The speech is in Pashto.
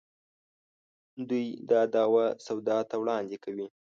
دوی دا دعوه سودا ته وړاندې کوي.